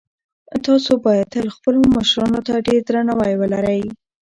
تاسو باید تل خپلو مشرانو ته ډېر درناوی ولرئ.